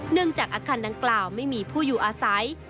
จากอาคารดังกล่าวไม่มีผู้อยู่อาศัย